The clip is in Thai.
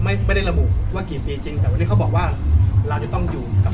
ไม่ได้ระบุว่ากี่ปีจริงแต่วันนี้เขาบอกว่าเราจะต้องอยู่กับ